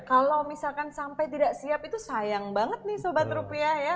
kalau misalkan sampai tidak siap itu sayang banget nih sobat rupiah ya